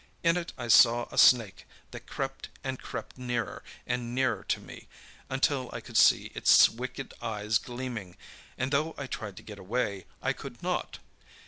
In it I saw a snake that crept and crept nearer and nearer to me until I could see its wicked eyes gleaming, and though I tried to get away, I could not.